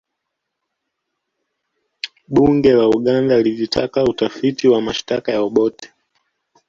bunge la uganda lilitaka utafiti wa mashtaka ya obote